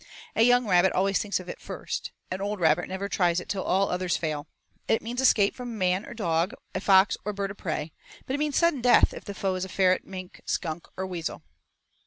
A young rabbit always thinks of it first, an old rabbit never tries it till all others fail. It means escape from a man or dog, a fox or a bird of prey, but it means sudden death if the foe is a ferret, mink, skunk, or weasel.